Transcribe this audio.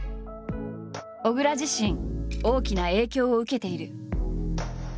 小倉自身大きな影響を受けている。